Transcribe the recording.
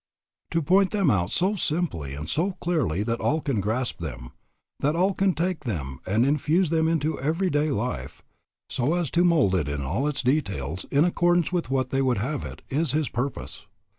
To point them out so simply and so clearly that all can grasp them, that all can take them and infuse them into every day life, so as to mould it in all its details in accordance with what they would have it, is his purpose.